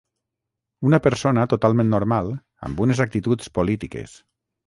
Una persona totalment normal amb unes actituds polítiques.